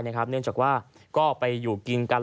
เนื่องจากว่าก็ไปอยู่กินกัน